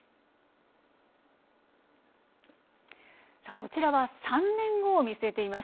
こちらは、３年後を見据えています。